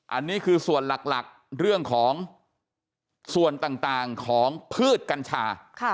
อันนี้คือส่วนหลักเรื่องของส่วนต่างของพืชกัญชา